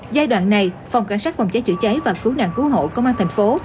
giai đoạn này phòng cảnh sát phòng cháy chữa cháy và cứu nạn cứu hộ công an thành phố